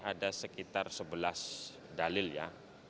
ada sekitar sebelas dalil ya